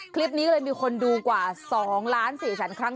คลิปนี้ก็เลยมีคนดูกว่าสองล้านสี่ฉันครั้ง